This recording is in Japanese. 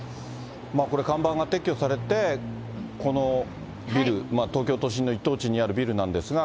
これ、看板が撤去されて、このビル、東京都心の一等地にあるビルなんですが、